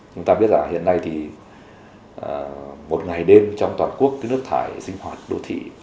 chúng ta biết là hiện nay thì một ngày đêm trong toàn quốc cái nước thải sinh hoạt đô thị